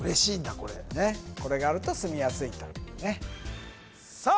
これねっこれがあると住みやすいというねさあ